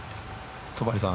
戸張さん